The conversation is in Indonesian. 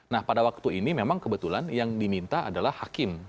nah pada waktu ini memang kebetulan yang diminta adalah hakim